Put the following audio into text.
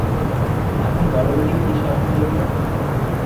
এখন বল দেখি কী স্বপ্ন দেখলে?